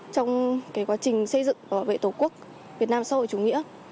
trong cái quá trình xây dựng và bảo vệ tổ quốc việt nam xã hội chủ nghĩa